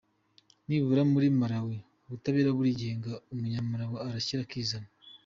Nibura muri Malawi ubutabera burigenga, umunyamalawi arishyira akizana.